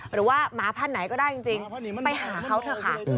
หรือว่าหมาพันธุ์ไหนก็ได้จริงไปหาเขาเถอะค่ะ